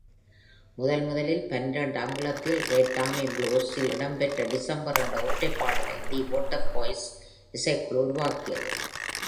முதன்முதலில் பன்னிரண்டு அங்குலத்தில் "ரெட் ஆர்மி ப்ளூஸ்" இல் இடம்பெற்ற "டிசம்பர்" என்ற ஒற்றைப்பாடலை "தி வாட்டர்பாய்ஸ்" இசைக்குழு உருவாக்கியது.